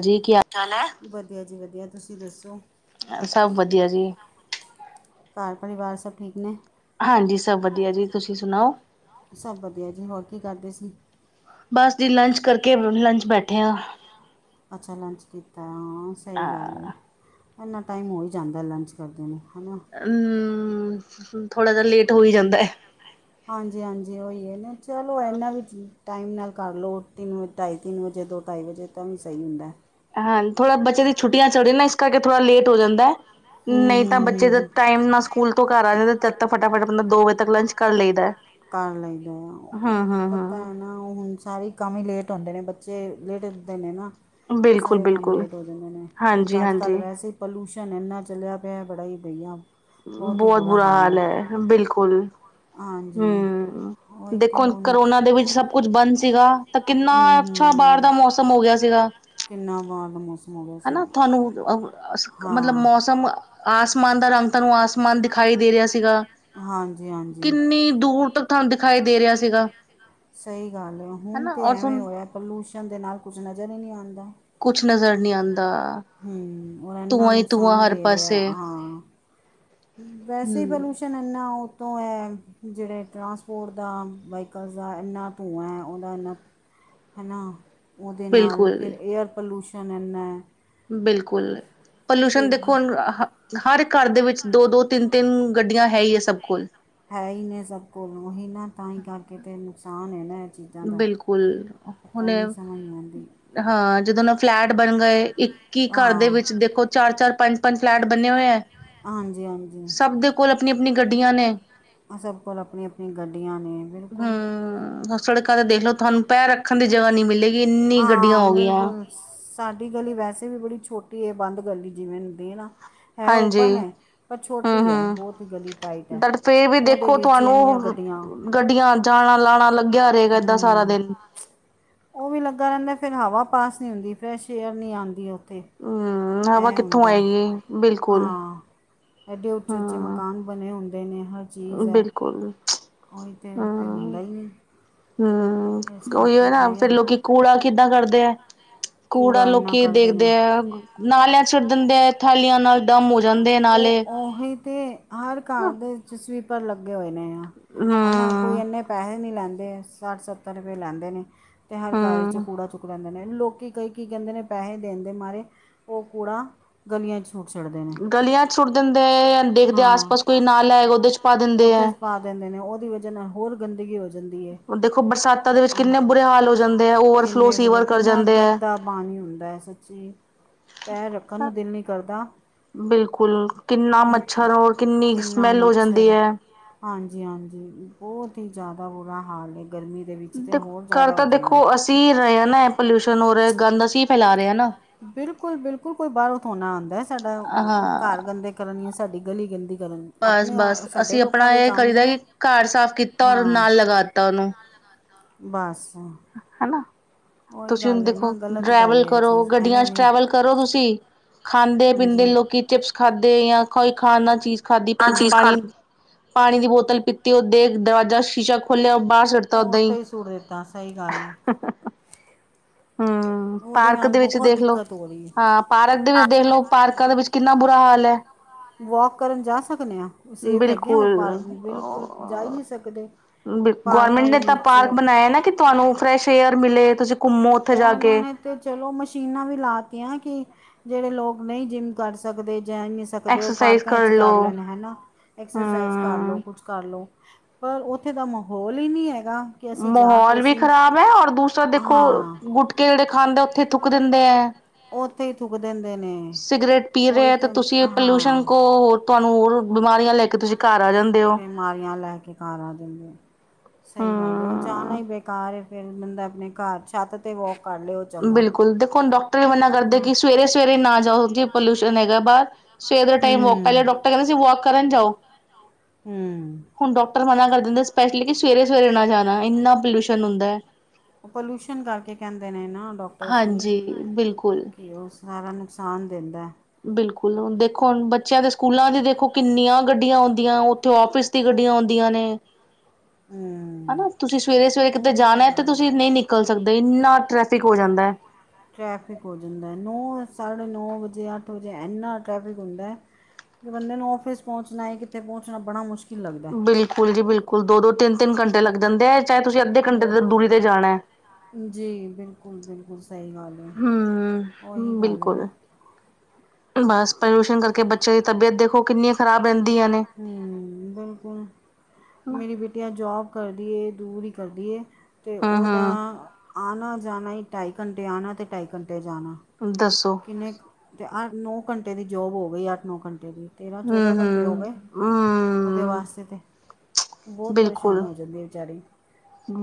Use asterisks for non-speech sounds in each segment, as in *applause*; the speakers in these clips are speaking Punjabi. ਜੀ ਕੀ ਵਧੀਆ ਜੀ ਵਧੀਆ ਤੁਸੀਂ ਦੱਸੋ ਸਭ ਵਧੀਆ ਜੀ ਘਰ ਪਰਿਵਾਰ ਸਭ ਠੀਕ ਨੇ ਹਾਂਜੀ ਸਭ ਵਧੀਆ ਜੀ ਤੁਸੀਂ ਸੁਣਾਓ ਸਭ ਵਧੀਆ ਜੀ ਹੋਰ ਕੀ ਕਰਦੇ ਸੀ ਬਸ ਜੀ ਲੰਚ ਕਰਕੇ, ਲੰਚ ਬੈਠੇ ਆ ਅੱਛਾ ਲੰਚ ਕੀਤਾ ਹਾਂ, ਸਹੀ ਗੱਲ ਏ ਹਮ ਇੰਨਾ ਟਾਈਮ ਹੋ ਹੀ ਜਾਂਦਾ ਲੰਚ ਕਰਦੇ ਨੂੰ ਹੈ ਨਾ ਹੂੰ, ਥੋੜ੍ਹਾ ਜਿਹਾ ਲੇਟ ਹੋਈ ਜਾਂਦਾ ਹਾਂਜੀ, ਹਾਂਜੀ ਉਹੀ ਹੈ ਨੇ, ਚਲੋ ਇੰਨਾ ਵੀ ਠ ਟਾਈਮ ਨਾਲ ਕਰ ਲਓ, ਤਿੰਨ ਵ ਢਾਈ- ਤਿੰਨ ਵਜੇ ਦੋ ਢਾਈ ਵਜੇ ਤੋ ਵੀ ਸਹੀ ਹੁੰਦਾ ਏ ਹਾਂ, ਥੋੜਾ ਬੱਚੇ ਦੀ ਛੁੱਟੀਆਂ ਚਲਦੀਆ ਨਾ ਇਸ ਕਰਕੇ ਥੋੜਾ ਲੇਟ ਹੋ ਜਾਂਦਾ ਏ ਹੂੰ ਨਹੀਂ ਹੂੰ ਤਾਂ ਹੂੰ ਬੱਚੇ ਦਾ ਹੂੰ ਟਾਈਮ ਨਾ ਸਕੂਲ ਤੋਂ ਘਰ ਆ ਜਾਂਦਾ, ਤਦ ਤਾਂ ਫਟਾਫਟ ਬੰਦਾ ਦੋ ਵਜੇ ਤੱਕ ਲੰਚ ਕਰ ਲਈਦਾ ਏ ਕਰ ਲਈਦਾ ਆ, ਉਹ ਪਤਾ ਏ ਨਾ ਹੁਣ ਸਾਰੀ ਕੰਮ ਹੀ ਲੇਟ ਹੁੰਦੇ ਨੇ, ਬੱਚੇ ਲੇਟ ਉਠਦੇ ਨੇ ਨਾ ਤੇ ਬਿਲਕੁਲ ਸਾਰੇ ਕੰਮ ਬਿਲਕੁਲ ਲੇਟ ਹੋ ਜਾਂਦੇ ਨੇ, ਇੱਕ ਹਾਂਜੀ ਅੱਜ -ਕੱਲ ਹਾਂਜੀ ਵੈਸੇ ਪੋਲਿਊਸ਼ਨ ਇੰਨਾ ਚਲਿਆ ਪਿਆ, ਬੜਾ ਹੀ ਬਈਆ ਬਹੁਤ ਬੁਰਾ ਹਾਲ ਹੈ, ਬਿਲਕੁਲ ਹਾਂਜੀ ਹਮ ਉਹੀ ਦੇਖੋ ਤਾਂ ਉਹਨੂੰ ਕਰੋਨਾ ਦੇ ਵਿੱਚ ਸਭ ਕੁਛ ਬੰਦ ਸੀਗਾ, ਤਾਂ ਕਿੰਨਾ ਹੂੰ ਅੱਛਾ ਹੂੰ ਬਾਹਰ ਦਾ ਮੌਸਮ ਹੋ ਗਿਆ ਸੀਗਾ ਕਿੰਨਾ ਬਾਹਰ ਦਾ ਮੌਸਮ ਹੋ ਗਿਆ ਸੀ ਹੈਨਾ, ਤੁਹਾਨੂੰ ਮਤਲਬ ਹਾਂ ਮੌਸਮ ਆਸਮਾਨ ਦਾ ਰੰਗ, ਤੁਹਾਨੂੰ ਆਸਮਾਨ ਦਿਖਾਈ ਦੇ ਰਿਹਾ ਸੀਗਾ ਹਾਂਜੀ- ਹਾਂਜੀ ਕਿੰਨੀ ਦੂਰ ਤੱਕ, ਤੁਹਾਨੂੰ ਦਿਖਾਈ ਦੇ ਰਿਹਾ ਸੀਗਾ ਸਹੀ ਗੱਲ ਹੈ, ਹੁਣ ਹਨਾ ਤਾਂ ਔਰ ਐਵੇਂ ਹੁਣ ਹੋਇਆ ਪੋਲਿਊਸ਼ਨ ਦੇ ਨਾਲ ਕੁਝ ਨਜ਼ਰ ਹੀ ਨਹੀਂ ਆਉਂਦਾ ਕੁਛ ਨਜ਼ਰ ਨਹੀਂ ਆਂਉਦਾ ਹੂੰ, ਹੁਣ ਇੰਨਾ ਨੁਕਸਾਨ ਦੇ ਰਿਹਾ ਪਾਸੇ ਹਾਂ ਵੈਸੇ ਹੀ ਹੂੰ ਪੋਲਿਊਸ਼ਨ ਏ ਇੰਨਾਂ ਉਤੋਂ ਏ, ਜਿਹੜੇ ਟਰਾਂਸਪੋਰਟ ਦਾ, ਵਹੀਕਲਸ ਦਾ ਇੰਨਾਂ ਧੂੰਆਂ ਉਹਦਾ, ਇੰਨਾ ਹੈਨਾ ਉਹਦੇ ਨਾਲ ਬਿਲਕੁਲ ਫਿਰ ਏਅਰ ਪੋਲਿਊਸ਼ਨ ਇੰਨਾ ਬਿਲਕੁਲ, ਪਲਿਊਸ਼ਨ ਫਿਰ ਦੇਖੋ ਗ- ਹੁਣ ਹ ਹਰ ਘਰ ਦੇ ਵਿੱਚ ਦੋ-ਦੋ, ਤਿੰਨ ਤਿੰਨ ਗੱਡੀਆਂ ਹੈ ਹੀ ਏ ਸਭ ਕੋਲ ਹੈ ਹੀ ਨੇ ਸਭ ਕੋਲ, ਉਹੀ ਨਾ ਤਾਂ ਹੀ ਕਰਕੇ ਤੇ ਨੁਕਸਾਨ ਹੈ ਨਾ ਚੀਜ਼ਾਂ ਦਾ ਬਿਲਕੁਲ ਪਤਾ ਹੁਣੇ ਨੀ ਸਮਝ ਨੀ ਆਉਂਦੀ ਹਾਂ, ਜਦੋਂ ਨਾ ਫਲੈਟ ਬਣ ਗਏ, ਇੱਕ ਕੀ ਘਰ ਦੇ ਹਾਂ ਵਿੱਚ ਦੇਖੋ ਚਾਰ- ਚਾਰ, ਪੰਜ -ਪੰਜ ਫਲੈਟ ਬਣੇੇ ਹੋਏ ਹੈ ਹਾਂਜੀ ਹਾਂਜੀ। ਸਭ ਦੇ ਕੋਲ ਆਪਣੀਆਂ ਆਪਣੀਆ ਗੱਡੀਆਂ ਨੇ। ਸਭ ਕੋਲ ਆਪਣੀਆ ਆਪਣੀਆ ਗੱਡੀਆਂ ਨੇ। ਬਿਲਕੁਲ ਹਮ ਸੜਕਾਂ ਤੇ ਦੇਖਲਓ ਤੁਹਾਨੂੰ ਪੈਰ ਰੱਖਣ ਦੀ ਜਗਾ ਨੀ ਮਿਲੇਗੀ ਇੰਨੀ ਗੱਡੀਆਂ ਹਾਂ ਹੋ ਗਈਆਂ। ਬਿਲਕੁਲ ਸਾਡੀ ਗਲੀ ਵੈਸੇ ਵੀ ਬੜੀ ਛੋਟੀ ਹੈ ਬੰਦ ਗਲੀ ਜਿਵੇਂ ਹੁੰਦੀ ਨਾ। ਹੈ ਹਾਂਜੀ ਔਪਨ ਏ ਪਰ ਹਮ ਛੋਟੀ ਐ ਹਮ ਬਹੁਤ ਹੀ ਗਲੀ ਟਾਈਟ ਐ, ਬਟ ਫੇਰ ਵੀ ਓਦੇ ਦੇਖੋ ਵਿੱਚ ਹੀ ਐਨੀਆਂ ਤੁਹਾਨੂੰ ਗੱਡੀਆਂ ਗੱਡੀਆਂ ਜਾਣਾ ਲਾਣਾ ਲੱਗਿਆ ਰਹੇ। ਹਮ। ਉਹ ਵੀ ਲੱਗਾ ਰਹਿੰਦਾ ਫਿਰ ਹਵਾ ਪਾਸ ਨਹੀਂ ਹੁੰਦੀ ਫਰੈਸ਼ ਏਅਰ ਨਹੀਂ ਆਉਂਦੀ ਉੱਥੇ। ਹਮ ਹਵਾ ਇਹ ਕਿੱਥੋਂ ਹੁੰਦਾ ਹੈ। ਆਏਗੀ ਬਿਲਕੁਲ। ਹਾਂ ਐਡੇ ਉੱਚੇ ਉੱਚੇ ਹਮ ਮਕਾਨ ਬਣੇ ਹੁੰਦੇ ਨੇ ਹਰ। ਬਿਲਕੁਲ। ਕੋਈ ਤੇ ਉਹ ਫਿਰ ਹਮ ਹੁੰਦਾ ਹੀ ਨਹੀਂ। ਹਮ ਇਸ ਉਹੀ ਕਰਕੇ ਨਾ ਫੇਰ ਬੜਾ ਲੋਕੀ ਕੂੜਾ ਕਿੱਦਾਂ ਕਰਦੇ ਆ। ਕੂੜਾ ਇੰਨਾ ਲੋਕੀ ਕਰਦੇ ਨੇ ਦੇਖਦੇ ਆ। ਨਾਲਿਆਂ ਛੱ *inaudible* ੜ ਦਿੰਦੇ ਆ ਥਾਲੀਆਂ ਨਾਲ ਡਮ ਹੋ ਜਾਂਦੇ ਹੈ ਨਾਲੇ ਉਹ ਉਹੀ ਤੇ ਹਰ ਹਨਾ ਘਰ ਦੇ ਵਿੱਚ ਸਵੀਪਰ ਲੱਗੇ ਹੋਏ ਨੇ ਆ ਹੈ ਨਾ ਕੋਈ ਹੂੰ ਇੰਨੇ। ਪੈਸੇ ਨੀ ਲੈਂਦੇ ਸੱਠ-ਸੱਤਰ ਰੁਪਏ ਲੈਂਦੇ ਨੇ ਤੇ ਹਰ ਘਰ ਵਿੱਚੋ ਹੂੰ ਕੂੜਾ ਚੁੱਕ ਲੈਂਦੇ ਨੇ। ਲੋਕੀ ਕਈ ਕੀ ਕਹਿੰਦੇ ਨੇ ਪੈਸੇ ਦੇਣ ਦੇ ਮਾਰੇ ਉਹ ਕੂੜਾ ਗਲੀਆਂ ਚ। ਸੁੱਟ ਛੱਡਦੇ ਨੇ ਗਲੀਆਂ ਚ ਸੁੱਟ ਦਿੰਦੇ ਹੈ ਜਾਂ ਦੇਖਦੇ ਆਸ ਹਾਂ ਪਾਸ ਕੋਈ ਨਾਲਾ ਹੈਗਾ ਉਹਦੇ ਚ ਪਾ ਦਿੰਦੇ ਉੱਥੇ ਹੈ। ਪਾ ਦਿੰਦੇ ਨੇ ਉਹਦੀ ਵਜਾ ਨਾਲ ਹੋਰ ਗੰਦਗੀ ਹੋ ਜਾਂਦੀ। ਹੈ ਦੇਖੋ ਬਰਸਾਤਾਂ ਦੇ ਵਿੱਚ ਆਹ, ਕਿੰਨੇ ਬੁਰੇ ਹਾਲ ਹੋ ਜਾਂਦੇ ਆ ਓਵਰਫਲੋ ਕਿੰਨੇ ਬੁਰੇ ਸੀਵਰ ਕਰ ਕਿੰਨਾ ਜਾਂਦੇ। ਹੈ ਗੰਦਾ ਪਾਣੀ ਹੁੰਦਾ ਹੈ ਸੱਚੀ ਪੈਰ ਰੱਖਣ ਨੂੰ ਦਿਲ ਨਹੀਂ ਕਰਦਾ। ਬਿਲਕੁਲ, ਕਿੰਨਾ ਇੱਕ ਮੱਛਰ ਔਰ ਕਿੰਨੀ ਕਿੰਨਾ ਸਮੈਲ ਹੋ ਜਾਂਦੀ ਮੱਛਰ ਹੈ। ਹਾਂਜੀ, ਹਾਂਜੀ ਬਹੁਤ ਹੀ ਜ਼ਿਆਦਾ ਬੁਰਾ ਹਾਲ ਹੈ। ਗਰਮੀ ਦੇ ਵਿੱਚ ਤਾਂ ਹੋਰ ਜ਼ਿਆਦਾ ਹੋ ਜਾਂਦਾ। ਸੀ ਰਹੇ ਨਾ ਪੋਲਿਊਸ਼ਨ ਹੋ ਰਿਹਾ ਗੰਦ ਅਸੀ ਫੈਲਾ ਰਿਹੇ ਹਾਂ ਨਾ। ਬਿਲਕੁਲ- ਬਿਲਕੁਲ ਕੋਈ ਬਾਹਰੋਂ ਥੋੜਾ ਨਾ ਆਉਦਾ ਹੈ। ਸਾਡਾ ਹਾਂ ਘਰ ਗੰਦੇ ਕਰਨ ਲਈ ਜਾਂ ਸਾਡੀ ਗਲੀ ਗੰਦੀ ਕਰਨ ਬਸ- ਆਪਣੇ ਆ- ਬਸ ਸਾਡੇ ਅਸੀ ਲੋਕਾਂ ਆਪਣਾ ਦੇ ਹੀ ਇਹ ਕੰਮ ਕਰੀਦਾ ਨੇ ਕਿ ਘਰ ਸਾਫ਼ ਕੀਤਾ ਔਰ ਹਾਂ ਨਾਲ ਲਗਾ ਦਿੱਤਾ ਉਹਨੂੰ। ਬਸ। ਹਨਾ ਉਹੀ ਤੁਸੀ ਹੁਣ ਗੱਲ ਹੈ ਨਾ ਦੇਖੋ ਗਲਤ ਗੱਲ ਟਰੈਵਲ ਹੈ ਇਹ ਕਰੋ ਚੀਜ਼ ਗੱਡੀਆਂ ਐਵੇਂ 'ਚ ਨਹੀਂ ਟ੍ਰੈਵਲ ਕਰੋ ਤੁਸੀ ਖਾਂਦੇ ਪੀਂਦੇ ਹਾਂਜੀ ਲੋਕੀ ਚਿਪਸ ਖਾਦੇ ਜਾਂ ਕੋਈ ਖਾਣਾ ਚੀਜ। ਖਾਧੀ ਪਾਣੀ- ਪਾਣੀ ਦੀ ਬੋਤਲ ਪੀਤੀ ਉਹ ਦੇਖ ਦਰਵਾਜ਼ਾ ਸ਼ੀਸ਼ਾ ਖੋਲਿਆ ਉਹ ਬਾਹਰ। ਸੁੱਟਤਾ ਉਹ ਉਥੇ ਹੀ ਸੁੱਟ ਦਿੱਤਾ ਸਹੀ ਗੱਲ ਏ। ਹ *unintelligible* ਹਾਂ ਉਹਦੇ ਪਾਰਕ ਨਾਲ ਦੇ ਵਿੱਚ ਬਹੁਤ ਦੇਖ ਲਉ ਦਿੱਕਤ ਹੋ ਰਹੀ ਹੈ ਹਾਂ ਪਾਰਕ ਦੇ ਵਿੱਚ ਦੇਖ ਲਉ ਪਾਰਕਾਂ ਦੇ ਵਿੱਚ ਕਿੰਨਾ ਬੁਰਾ ਹਾਲ ਹੈ। ਵੋਕ ਕਰਨ ਜਾ ਸਕਦੇ ਆ ਉਹ ਸੇਫ ਹੈਗੇ ਆ ਪਾਰ ਬਿਲਕੁਲ ਜਾ ਹੀ ਨਹੀਂ ਸਕਦੇ। ਗੌਰਰਮੈਂਟ ਪਾਰਕਾਂ ਦੇ ਨੇ ਤਾਂ ਵਿੱਚ ਪਾਰਕ ਬਣਾਇਆ ਨਾ ਕਿ ਤੁਹਾਨੂੰ ਫਰੈਸ਼ ਏਅਰ ਮਿਲੇ। ਤੁਸੀਂ ਘੁੰਮੋ ਉੱਥੇ ਉਹ ਜਾ ਉਹਨਾਂ ਕੇ ਨੇ। ਤੇ ਚਲੋ ਮਸ਼ੀਨਾਂ ਵੀ ਲਾਤੀਆਂ ਕਿ ਜਿਹੜੇ ਲੋਕ ਨਹੀਂ ਜਿੰਮ ਕਰ ਸਕਦੇ। ਜਮ ਸਕਦੇ ਹੋ ਐਕਸਰਸਾਈਜ਼ ਪਾਰਕਾਂ ਵਿੱਚ ਲੋ ਕਰ ਲੈਣ ਹਨਾ ਐਕਸਰਸਾਈਜ਼ ਕਰ ਲਓ। ਹਮ ਕੁਛ ਕਰ ਲਉ। ਪਰ ਉੱਥੇ ਦਾ ਮਾਹੌਲ ਹੀ ਨਹੀਂ ਹੈਗਾ। ਕਿ ਅਸੀਂ ਜਾ ਕੇ ਮਾਹੌਲ ਵੀ ਅਸੀਂ ਖਰਾਬ ਐ ਔਰ ਦੂਸਰਾ ਦੇਖੋ ਹਾਂ ਗੁਟਕੇ ਜਿਹੜੇ ਖਾਂਦੇ ਓਥੀ ਥੁੱਕ ਦਿੰਦੇ ਐ। ਉਹ ਉੱਥੇ ਹੀ ਥੁੱਕ ਦਿੰਦੇ ਨੇ ਸਿਗਰਟ ਪੀ ਰਹੇ ਉਹੀ ਹੈ ਤੇ ਤੁਸੀਂ ਹਾਂ। ਪੋਲਿਊਸ਼ਨ ਕੋ ਹੋਰ ਤੁਹਾਨੂੰ ਹੋਰ ਬਿਮਾਰੀਆਂ ਲੈ ਕੇ ਤੁਸੀਂ ਘਰ ਆ ਜਾਂਦੇ। ਹੋ ਬਿਮਾਰੀਆਂ ਲੈ ਕੇ ਘਰ ਆ ਦਿੰਦੇ ਸਹੀ ਗੱਲ ਹੈ। ਉਹ ਜਾਣਾ ਹਮ ਹੀ ਬੇਕਾਰ ਏ ਫੇਰ ਬੰਦਾ ਆਪਣੇ ਘਰ ਛੱਤ ਤੇ ਵੋਕ ਕਰ ਲਏ। ਚੰਗਾ ਬਿਲਕੁਲ ਦੇਖੋ ਹੁਣ ਡਾਕਟਰ ਵੀ ਮੰਨਾ ਹੈ ਕਰਦੇ ਨਾ ਕਿ ਸਵੇਰੇ ਸਵੇਰੇ ਨਾ ਜਾਓ ਕਿ ਪੋਲਿਊਸ਼ਨ ਹੈਗਾ ਬਾਹਰ। ਸਵੇਰ ਦੇ ਟਾਈਮ ਵੋਕ ਹਮ ਪਹਿਲੇ ਡਾਕਟਰ ਕਹਿਦੇ ਸੀ ਵੋਕ ਕਰਨ ਜਾਓ। ਹਮ। ਹੁਣ ਡਾਕਟਰ ਮਨਾ ਕਰ ਦਿੰਦੇ ਸਪੈਸ਼ਲੀ ਕਿ ਸਵੇਰੇ -ਸਵੇਰੇ ਨਾ ਜਾਣਾ ਇੰਨਾ ਪੋਲਿਊਸ਼ਨ ਹੁੰਦਾ ਹੈ। ਉਹ ਪੋਲਿਊਸ਼ਨ ਕਰਕੇ ਕਹਿੰਦੇ ਨੇ ਨਾ ਡੋਕਟਰਸ ਵੀ, ਹਾਂਜੀ ਬਿਲਕੁਲ। ਕੀ ਉਹ ਸਾਰਾ ਨੁਕਸਾਨ ਦਿੰਦਾ ਬਿਲਕੁਲ, ਦੇਖੋ ਹੁਣ ਬੱਚਿਆਂ ਦੇ ਸਕੂਲਾਂ ਦੀ ਦੇਖੋ ਕਿੰਨੀਆਂ ਗੱਡੀਆਂ ਹੁੰਦੀਆਂ, ਉਥੇ ਆਫਿਸ ਦੀ ਗੱਡੀਆਂ ਹੁੰਦੀਆਂ ਨੇ ਹਮ ਹਨਾ, ਤੁਸੀ ਸਵੇਰੇ- ਸਵੇਰੇ ਕਿਤੇ ਉਹੀ ਤਾਂ ਜਾਣਾ ਤੇ ਗੱਲ ਹੈ, ਤੁਸੀ ਨਹੀ ਨਿਕਲ ਸਕਦੇ ਇੰਨਾ ਟਰੈਫਿਕ ਹੋ ਜਾਂਦਾ ਟਰੈਫਿਕ ਹੋ ਜਾਂਦਾ, ਨੌ- ਸਾਢੇ ਨੌ ਵਜੇ, ਅੱਠ ਵਜੇ ਇੰਨਾ ਟਰੈਫਿਕ ਹੁੰਦਾ ਕਿ ਬੰਦੇ ਨੂੰ ਆਫਿਸ ਪਹੁੰਚਣਾ ਹੈ। ਕਿਥੇ ਪਹੁੰਚਣਾ ਬੜਾ ਮੁਸ਼ਕਿਲ ਲੱਗਦਾ ਬਿਲਕੁਲ ਜੀ ਬਿਲਕੁਲ, ਦੋ- ਦੋ, ਤਿੰਨ- ਤਿੰਨ ਘੰਟੇ ਲੱਗ ਜਾਂਦੇ ਹੈ। ਚਾਹੇ ਤੁਸੀਂ ਅੱਧੇ ਘੰਟੇ ਦੇ ਦੂਰੀ ਤੇ ਜਾਣਾ ਹੈ। ਜੀ ਬਿਲਕੁਲ- ਬਿਲਕੁਲ ਸਹੀ ਗੱਲ ਹੈ। ਉਹੀ ਹੂੰ ਗੱਲ ਹੈ। ਬਿਲਕੁਲ ਨਾ- ਬਸ ਪੋਲਿਊਸ਼ਨ ਕਰਕੇ ਬੱਚਿਆਂ ਦੀ ਤਬੀਅਤ ਦੇਖੋ ਕਿੰਨੀਆਂ ਖਰਾਬ ਰਹਿੰਦੀਆਂ ਨੇ- ਨਹੀ ਬਿਲਕੁਲ- ਹਨਾ ਮੇਰੀ ਬਿਟੀਆ ਜੋਬ ਕਰਦੀ ਹੈ। ਦੂਰੀ ਹੀ ਕਰਦੀ ਹੈ। ਤੇ ਉਹਦਾ ਹੂੰ-ਹੂੰ ਆਉਣਾ ਜਾਣਾ ਹੀ ਢਾਈ ਘੰਟੇ ਆਉਣਾ ਤੇ ਢਾਈ ਘੰਟੇ ਜਾਣਾ ਦੱਸੋ- ਕਿੰਨੇ ਤੇ ਨੌ ਘੰਟੇ ਦੀ ਜੋਬ ਹੋ ਗਈ ਅੱਠ -ਨੌ ਘੰਟੇ ਦੀ- ਤੇਰ੍ਹਾਂ -ਚੌਦਾਂ ਘੰਟੇ ਹੋ ਹੂੰ-ਹੂੰ, ਗਏ, ਉਹਦੇ ਹੂੰ, ਵਾਸਤੇ ਤੇ- ਬਹੁਤ ਬਿਲਕੁਲ। ਪਰੇਸ਼ਾਨ ਹੋ ਜਾਂਦੀ ਹੈ। ਵਿਚਾਰੀ-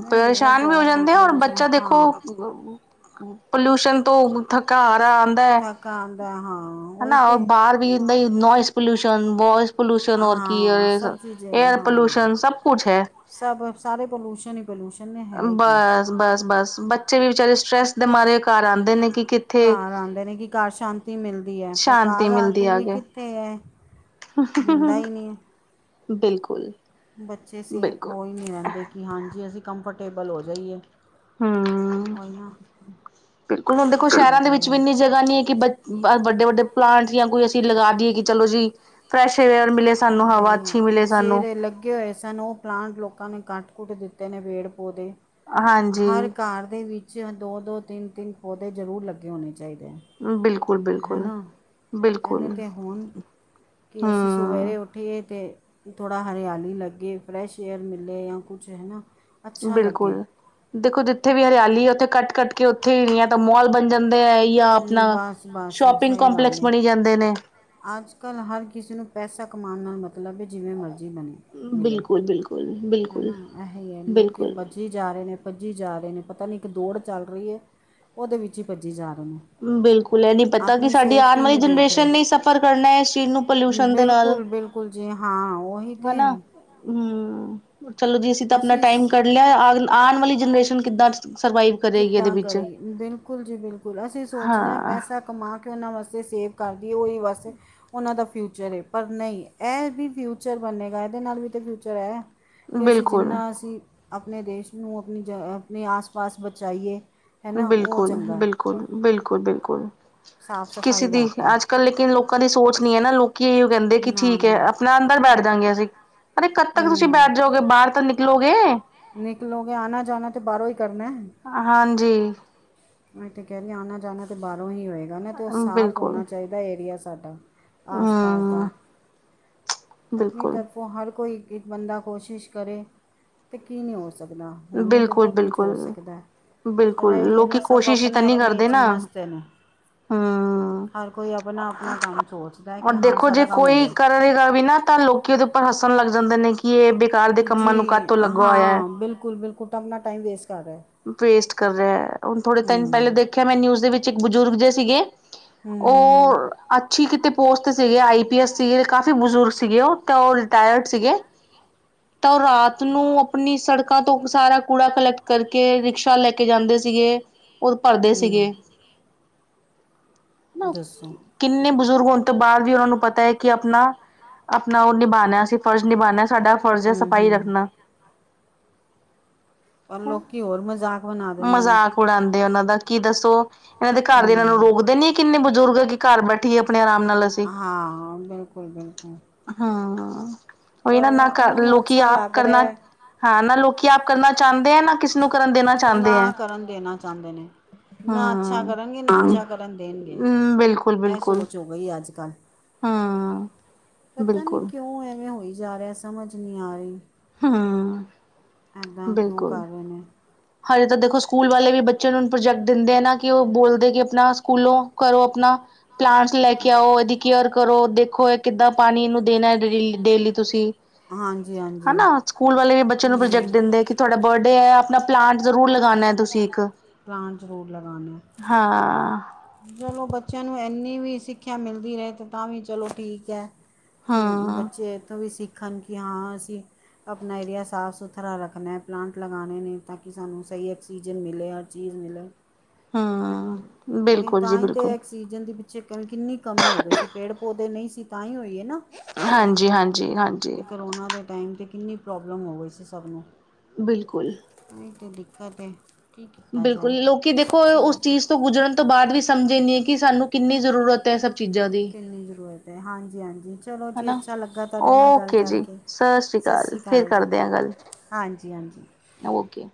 ਮੈਂ ਭਈਆ ਪਰੇਸ਼ਾਨ ਵੀ ਹੋ ਜੋਬ ਜਾਂਦੇ ਦੇਖ ਆ, ਲਓ ਔਰ ਦੂਸਰੇ ਬੱਚਾ ਹਾਂ ਦੇਖੋ- ਪੋਲਿਊਸ਼ਨ ਤੋਂ ਥੱਕਾ ਹਾਰਾ- ਥਕਾ ਆਉਦਾ, ਹਾਂ ਉਹੀ ਤੇ- ਹਰ ਵਹੀਲ ਦੇ ਨੋਇਜ਼ ਪੋਲਊਸ਼ਨ ਬ- ਪੋਲਿਊਸ਼ਨ ਔਰ ਕੀ ਆ ਹਾਂ ਸਭ ਅਮ, ਚੀਜ਼ ਏਅਰ ਹਾਂ ਪੋਲੂਸ਼ਨ ਸਭ ਕੁੱਛ ਹੈ। ਸਭ ਸਾਰੇ ਪੋਲਿਊਸ਼ਨ ਨੇ। ਪਲਿਊਸ਼ਨ ਨੇ। ਹੈ ਕਿ ਬਸ-ਬਸ-ਬਸ ਬੱਚੇ ਵੀ ਵਿਚਾਰੇ ਸਟ੍ਰੈਸ। ਘਰ ਆਉਂਦੇ ਨੇ ਕਿ ਘਰ ਸ਼ਾਂਤੀ ਮਿਲਦੀ ਹੈ। ਪਰ ਘਰ ਆ ਕੇ ਵੀ ਕਿਦਾ। ਅ ਤੇ ਹੈ, ਹੁੰਦਾ ਹੀ ਨਹੀਂ ਹੈ। ਬਿਲਕੁਲ। ਬੱਚੇ ਸੇਫ ਹੋ ਹੀ ਨਹੀਂ ਰਹਿੰਦੇ, ਕਿ ਹਾਂਜੀ ਅਸੀਂ ਕੰਫਰਟੇਬਲ ਹੋ ਜਾਈਏ। ਹੂੰ। ਉਹੀ ਨਾ, ਜਿੰਨਾ ਚਾਹੇ ਏਦਾ ਕਿ ਬ-ਬ ਵੱਡੇ-ਵੱਡੇ ਪਲਾਂਟ ਜਾਂ ਕੋਈ ਅਸੀਂ ਲਗਾ ਦੀਏ ਕਿ ਚਲੋ ਜੀ ਅ। ਫਰੈਸ਼ ਏਅਰ ਮਿਲੇ ਸਾਨੂੰ ਹਵਾ ਅੱਛੀ ਮਿਲੇ ਸਾਨੂੰ। ਉਗੇ ਹੋਏ ਸਨ ਉਹ ਪਲਾਂਟ ਲੋਕਾਂ ਨੇ ਕੱਟ ਕੁੱਟ ਦਿੱਤੇ ਨੇ ਪੇਡ ਪੌਦੇ। ਹਾਂਜੀ ਹਰ ਘਰ ਦੇ ਵਿਚ ਦੋ- ਦੋ, ਤਿੰਨ- ਤਿੰਨ ਪੌਦੇ ਜ਼ਰੂਰ ਲੱਗੇ ਹੋਣੇ ਚਾਹੀਦੇ ਹੈ। ਬਿਲਕੁਲ- ਬਿਲਕੁਲ- ਹੈਨਾ, ਐਨੇ ਬਿਲਕੁਲ ਤੇ ਹੁਣ, ਕਿ ਅਸੀਂ ਹਮ ਸੋਏ- ਉਠੇ ਤੇ ਥੋੜਾ ਹਰਿਆਲੀ ਲੱਗੇ, ਫਰੈਸ਼ ਏਅਰ ਮਿਲੇ ਜਾਂ ਕੁਛ ਹੈ। ਨਾ- ਅੱਛਾ ਲੱਗੇ ਬਿਲਕੁਲ, ਦੇਖੋ ਜਿਥੇ ਵੀ ਹਰਿਆਲੀ ਆ ਉਥੇ ਕੱਟ -ਕੱਟ ਕੇ ਉਥੇ ਹੀ ਨਹੀ ਤਾਂ ਮੋਲ ਬਣ ਜਾਂਦਾ ਤੇ ਹੈ ਹੀ ਆਪਣਾ ਬਸ ਬਸ ਸ਼ੋਪਿੰਗ ਕੰਪਲੈਕਸ ਬਣੀ ਜਾਂਦੇ ਨੇ ਅਜ- ਕਲ ਹਰ ਕਿਸੇ ਨੂੰ ਪੈਸਾ ਕਮਾਉਣ ਨਾਲ ਮਤਲਬ ਹੈ। ਜਿਵੇ ਮਰਜ਼ੀ ਮਿਲੇ - ਬਿਲਕੁਲ- ਬਿਲਕੁਲ- ਬਿਲਕੁਲ ਹਨਾ ਇਹੀ ਹੈ। ਲੋਕੀ ਬਦ- ਬਿਲਕੁਲ ਭੱਜੀ ਜਾ ਰਹੇ ਨੇ, ਭੱਜੀ ਜਾ ਰਹੇ ਨੇ, ਪਤਾ ਨਹੀ ਇਕ ਦੌੜ ਚੱਲ ਰਹੀ ਹੈ। ਉਹਦੇ ਵਿਚ ਹੀ ਭੱਜੀ ਜਾ ਰਹੇ ਨੇ ਬਿਲਕੁਲ, ਇਹ ਨਹੀ ਪਤਾ ਕਿ ਆਪਣੀ ਸਾਡੀ ਆਉਣ ਸੇਫਟੀ ਵਾਲੀ ਨਹੀਂ ਦੇਖ ਰਹੇ ਜਨਰੇਸ਼ਨ ਨੇ ਸਫ਼ਰ ਕਰਨਾ ਇਸ ਚੀਜ਼ ਨੂੰ ਪੋਲਿਊਸ਼ਨ ਦੇ ਨਾਲ ਹਾਂਜੀ ਹਾਂ, ਉਹੀ ਤੇ- ਹੂੰ, ਚਲੋ ਜੀ ਅਸੀ ਤਾਂ ਆਪਣਾ ਅਸੀਂ ਟਾਈਮ ਕ- ਲੈ ਆਉਣ ਵਾਲੀ ਜਨਰੇਸ਼ਨ ਕਿੱਦਾਂ ਸਰਵਾਈਵ- ਕਰੇਗੀ ਇਹਦੇ ਕਿੱਦਾਂ ਵਿੱਚ ਕਰੇ, ਬਿਲਕੁਲ ਜੀ ਬਿਲਕੁਲ ਅਸੀਂ ਸੋਚਦੇ ਹਾਂ ਪੈਸਾ ਕਮਾ ਕੇ ਉਹਨਾਂ ਵਾਸਤੇ ਸੇਵ। ਕਰਦੀ ਉਹੀ ਬਸ, ਉਹਨਾਂ ਦਾ ਫਿਊਚਰ ਏ ਅ। ਪਰ ਨਹੀਂ ਇਹ ਵੀ ਵੀ ਫਿਊਚਰ ਬਨੇਗਾ ਇਹਦੇ ਨਾਲ ਵੀ ਤੇ ਫਿਊਚਰ ਹੈ। ਕਿ ਅਸੀਂ ਬਿਲਕੁਲ ਜਿੰਨਾ ਅਸੀਂ ਆਪਣੇ ਦੇਸ਼ ਨੂੰ ਆਪਣੀ ਜ ਜ ਆਪਣੇ ਆਸ ਪਾਸ ਬਚਾਈਏ ਅ। ਹੈ ਨਾ ਉਹ ਹ ਚੰਗਾ। ਬਿਲਕੁਲ-ਬਿਲਕੁਲ ਬਿਲਕੁਲ ਸਾਫ ਕਿਸੇ ਸਫਾਈ ਦੀ ਰੱਖ ਕੇ ਅੱਜ ਕੱਲ ਲੇਕਿਨ ਲੋਕ। ਲੋਕਾਂ ਦੀ ਸੋਚ ਨੀ ਹੈ ਨਾ ਲੋਕ ਇਹ ਹੀ ਕਹਿੰਦੇ ਕਿ ਨਾ ਠੀਕ ਹੈ। ਨਾ ਆਪਣਾ ਅੰਦਰ ਬੈਠ ਜਾਂਗੇ ਅਸੀਂ। ਅਰੇ ਕਦ ਤੱਕ ਤੁਸੀਂ ਹੂੰ ਬੈਠ ਜਾਓ ਗੇ ਬਾਹਰ ਤਾਂ ਨਿਕਲੋ ਗੇ। ਨਿਕਲੋਗੇ ਆਣਾ ਜਾਣਾ ਤੇ ਬਾਹਰੋਂ ਹੀ ਕਰਨਾ ਹੈ। ਹਾਂ ਜੀ। ਮੈਂ ਇੱਥੇ ਕਹਿਨੀ ਆ ਆਣਾ ਜਾਣਾ ਤਾਂ ਬਾਹਰੋਂ ਹੀ ਹੋਏਗਾ ਨਾ ਤੇ ਉਹ ਸਾਫ਼ ਹੋਣਾ ਬਿਲਕੁਲ ਚਾਹੀਦਾ ਏਰੀਆ ਸਾਡਾ। ਆਸ ਪਾਸ ਦਾ ਹਮ ਅਦੀ ਬਿਲਕੁਲ ਤੱਕ। ਹਰ ਕੋਈ ਇੱਕ ਕ ਬੰਦਾ ਕੋਸ਼ਿਸ਼ ਕਰੇ ਤੇ ਕੀ ਨਹੀਂ ਹੋ ਸਕਦਾ। ਹੋਣ ਨੂੰ ਤਾਂ ਬਹੁਤ ਕੁਝ ਹੋ ਸਕਦਾ ਪਰ ਬਿਲਕੁਲ-ਬਿਲਕੁਲ-ਬਿਲਕੁਲ ਇਹ ਹੀ ਹੈ ਨਾ ਲੋਕੀ ਕ ਸਭ ਕੋਸ਼ਿਸ਼ ਈ ਆਪਣੇ ਤਾਂ ਨਹੀਂ ਆਪਣੇ ਕਰਦੇ 'ਚ ਨਾ। ਮਸਤ ਨੇ ਹਮ ਹਰ ਕੋਈ ਆਪਣਾ ਆਪਣਾ ਕੰਮ ਸੋਚਦਾ ਅ ਕਿ ਰ ਹਾਂ ਦੇਖੋ ਜੇ ਸਾਡਾ ਕੰਮ ਹੋ ਕੋਈ ਜਾਏ ਕਰੇਗਾ ਵੀ ਨਾ ਤਾਂ ਲੋਕੀ ਕਿ ਉਹਦੇ ਉੱਪਰ ਹੱਸਣ ਲੱਗ ਜਾਂਦੇ ਨੇ ਕਿ ਇਹ ਬ ਜੀ ਅ ਹਾਂ ਬਿਲਕੁਲ-ਬਿਲਕੁਲ ਤਾਂ ਆਪਣਾ ਟਾਈਮ ਵੇਸਟ ਕਰ ਰਿਹਾ। ਵੇਸਟ ਕਰ ਰਿਹਾ ਹੈ ਹੁਣ ਥੋੜੇ ਦਿਨ ਪਹਿਲੇ ਹੂੰ ਦੇਖੇ ਮੈਂ ਨਿਊਜ ਦੇ ਵਿਚ ਇੱਕ ਬਜ਼ੁਰਗ ਜ ਸੀਗੇ। ਹਮ ਮਮ। ਅ ਉਹ ਅੱਛੀ ਕਿਤੇ ਪੋਸਟ ਸੀਗੇ ਆਈ ਪੀ ਐਸ ਸੀਗੇ ਕਾਫੀ ਬਜ਼ੁਰਗ ਸੀਗੇ ਉਹ ਤੇ ਉਹ ਰਿਟਾਇਰਡ ਸੀਗੇ। ਏ। ਤਾਂ ਉਹ ਰਾਤ ਨੂੰ ਆਪਣੀ ਸੜਕਾਂ ਤੋਂ ਸਾਰਾ ਕ ਕੂੜਾ ਕਲੈਕਟ ਕਰਕੇ ਰਿਕਸ਼ਾ ਲੈ ਕੇ ਜਾਂਦੇ ਸੀਗੇ ਔਰ ਭਰਦੇ ਹੂੰ ਹੂੰ, ਸੀਗੇ। ਨਾ ਦੱਸੋ ਓ। ਕਿੰਨੇ ਬਜ਼ੁਰਗ ਹੋਣ ਤੋਂ ਬਾਅਦ ਵੀ ਉਹਨਾਂ ਨੂੰ ਪਤਾ ਹੈ ਕਿ ਆਪਣਾ ਆਪਣਾ ਉਹ ਨਿਭਾਉਣਾ ਅਸੀਂ ਫਰਜ਼ ਨਿਭਾਉਣਾ ਸਾਡਾ ਫਰਜ਼ ਹੈ ਹੂੰ ਸਫ਼ਾਈ ਹੂੰ ਰੱਖਣਾ ਪਰ ਲੋਕ ਕੀ ਹੋਰ ਮਜ਼ਾ ਮਜ਼ਾਕ ਉਡਾਉਂਦੇ ਆ ਉਹਨਾਂ ਦਾ ਕੀ ਦੱਸੋ? ਇਹਨਾਂ ਦੇ ਘਰ ਦੇ ਇਹਨਾਂ ਨੂੰ ਹੂੰ ਰੋਕਦੇ ਨੀ ਕਿੰਨੇ ਬਜ਼ੁਰਗ ਕਿ ਘਰ ਬੈਠੀਏ ਆਪਣੇ ਆਰਾਮ ਨਾਲ ਅਸੀਂ ਹਾਂ ਬਿਲਕੁਲ ਬਿਲਕੁਲ। ਹਮ ਉਹ ਇਹ ਪਰ ਨਾ ਨਾ ਕਰ ਉਹਨਾਂ ਨੂੰ ਲੋਕੀ ਅੱਛਾ ਆਪ ਲੱਗ ਰਿਹਾ ਕਰਨਾ ਹੈ ਹਾਂ ਨਾ ਲੋਕੀ ਆਪ ਕਰਨਾ ਚਾਹੁੰਦੇ ਆ ਨਾ ਕਿਸੇ ਨੂੰ ਕਰਨ ਦੇਣਾ ਚਾਹੁੰਦੇ ਨਾ ਹੈ ਕਰਨ ਦੇਣਾ ਚਾਹੁੰਦੇ ਨੇ ਨਾ ਅੱਛਾ ਹਮ ਕਰਨਗੇ ਨਾ ਅੱਛਾ ਕਰਨ ਦੇਣਗੇ ਹਮ ਬਿਲਕੁਲ ਇਹ ਬਿਲਕੁਲ ਸੋਚੋ ਹੀ ਅੱਜ ਕੱਲ ਹਮ ਪਤਾ ਨੀ ਬਿਲਕੁਲ ਕਿਉਂ ਐਵੇਂ ਹੋਈ ਜਾ ਰਿਹਾ। ਸਮਝ ਨਹੀਂ ਆ ਰਹੀ। ਹਾਂ ਅ। ਐਦਾਂ ਕਿਉਂ ਕਰ ਰਹੇ ਨੇ। ਹਜੇ ਤਾਂ ਦੇਖੋ ਸਕੂਲ ਵਾਲੇ ਵੀ ਬੱਚਿਆਂ ਨ ਨੂੰ ਪ੍ਰੋਜੈਕਟ ਦਿੰਦੇ ਆ ਨਾ ਕਿ ਉਹ ਬੋਲਦੇ ਕਿ ਆਪਣਾ ਸਕੂਲੋਂ ਕਰੋ ਆਪਣਾ ਪਲਾਂਟਸ ਲੈ ਕੇ ਆਓ ਇਹਦੀ ਕੇਅਰ ਕਰੋ ਦੇਖੋ ਅ ਕਿੱਦਾਂ ਪਾਣੀ ਇ ਨੂੰ ਦੇਣਾ ਡੇ ਡੇਲੀ ਤੁਸੀਂ। ਹਾਂ ਜੀ ਹਾਂ ਜੀ। ਹਨਾ ਸਕੂਲ ਵਾਲੇ ਵੇਂ ਬੱਚਿਆਂ ਨੂੰ ਪ੍ਰੋਜੈਕਟ ਦਿੰਦੇ ਕਿ ਤੁਹਾਡਾ ਬਰਡੇ ਹੈ ਆਪਣਾ ਪਲਾਂਟ ਜ਼ਰੂਰ ਲਗਾਉਣਾ ਹੈ ਤੁਸੀਂ ਇੱਕ ਪਲਾਂਟ ਜ਼ਰੂਰ ਲਗਾਉਣਾ ਹਾਂ ਆ। ਚਲੋ ਬੱਚਿਆਂ ਨੂੰ ਇੰਨੀ ਵੀ ਸਿੱਖਿਆ ਮਿਲਦੀ ਹੇ ਅਤੇ ਤਾਂ ਵੀ ਚਲੋ ਠੀਕ ਹੈ। ਕਿ ਹਾਂ ਬੱਚੇ ਇੱਥੋਂ ਵੀ ਸਿੱਖਣ ਗਿਆ ਹਾਂ ਅਸੀਂ ਆਪਣਾ ਏਰੀਆ ਸ ਸਾਫ ਸੁਥਰਾ ਰੱਖਣਾ ਪਲਾਂਟ ਲਗਾਉਣੇ ਨੇ ਤਾਂ ਕਿ ਸਾਨੂੰ ਸਹੀ ਆਕਸੀਜਨ ਮਿਲੇ ਹਰ ਚੀਜ਼ ਮਿਲੇ। ਹਾਂ ਹਨ ਉਹੀ ਬਿਲਕੁਲ ਜੀ ਤਾਂ ਹੀ ਤੇ ਬਿਲਕੁਲ ਐਕਸ ਸੀਜ਼ਨ ਦੀ ਪਿੱਛੇ ਕਿੰਨੀ ਕਮੀ ਹੋ ਗਈ ਸੀ ਪੇੜ ਪੌਦੇ ਨਹੀਂ ਸੀ ਤਾਂ ਹੀ ਹੋਈਏ ਨਾ ਹਾਂਜੀ ਹਾਂਜੀ ਹਾਂਜੀ ਇਹ ਕਰੋਨਾ ਦੇ ਟਾਈਮ 'ਤੇ ਕਿੰਨੀ ਪ੍ਰੋਬਲਮ ਹੋ ਗਈ ਸੀ ਸਭ ਨੂੰ ਬਿਲਕੁਲ ਇਹੀ ਤੇ ਦਿੱਕਤ ਏ। ਬਿਲਕੁਲ। ਲੋਕੀ ਦੇਖੋ, ਉਸ ਚੀਜ਼ ਤੋਂ ਗੁਜਰਣ ਤੋਂ ਬਾਅਦ ਵੀ ਸਮਝੇ ਨੀ, ਕਿ ਸਾਨੂੰ ਕਿੰਨੀ ਜ਼ਰੂਰਤ ਏ, ਇਹ ਸਭ ਚੀਜ਼ਾਂ ਦੀ। ਜਿਤਨੀ ਜ਼ਰੂਰਤ ਐ, ਹਾਂਜੀ-ਹਾਂਜੀ। ਚਲੋ ਜੀ, ਹਨਾ। ਅੱਛਾ ਲੱਗਾ ਤੁਹਾਡੇ ਨਾਲ ਗੱਲ ਓਕੇ ਜੀ ਕਰਕੇ, ਸਤਿ ਸ਼੍ਰੀ ਫਿਰ ਅਕਾਲ ਜੀ। ਕਰਦੇ ਹਾਂ ਗੱਲ। ਹਾਂਜੀ-ਹਾਂਜੀ। ਓਕੇ।